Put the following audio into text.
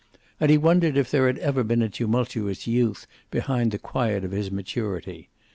And he wondered if there had been a tumultuous youth behind the quiet of his maturity.